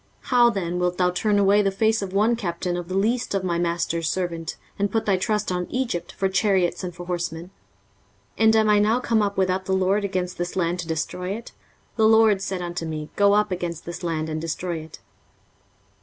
23:036:009 How then wilt thou turn away the face of one captain of the least of my master's servants, and put thy trust on Egypt for chariots and for horsemen? 23:036:010 And am I now come up without the LORD against this land to destroy it? the LORD said unto me, Go up against this land, and destroy it.